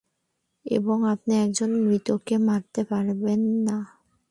এবং আপনি একজন মৃতকে মারতে পারবেন না।